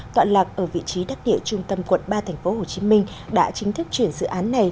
toạn lạc ở vị trí đắc địa trung tâm quận ba tp hcm đã chính thức chuyển dự án này